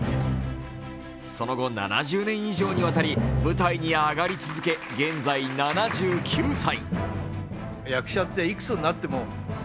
その後、７０年以上にわたり舞台に上がり続け、現在７９歳。